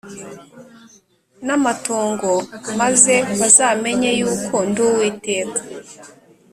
n amatongo maze bazamenye yuko ndi Uwiteka